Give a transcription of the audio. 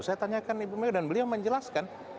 saya tanyakan ibu megawati soekarno gawasek dan beliau menjelaskan